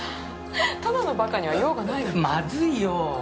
ただのバカには用がないの。マズイよ。